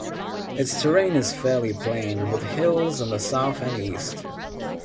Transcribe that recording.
Its terrain is fairly plain, with hills in the south and east.